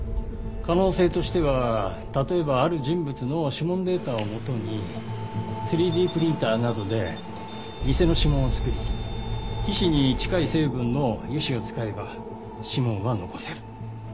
可能性としては例えばある人物の指紋データを元に３Ｄプリンターなどで偽の指紋を作り皮脂に近い成分の油脂を使えば指紋は残せる。